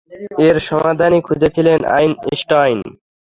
এর সমাধানই খুঁজছিলেন আইনস্টাইন।